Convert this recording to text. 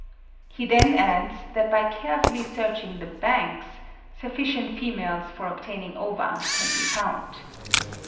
He then adds, that by carefully searching the banks sufficient females for obtaining ova can be found.